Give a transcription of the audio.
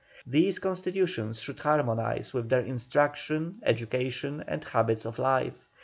These Constitutions should harmonise with their instruction, education, and habits of life.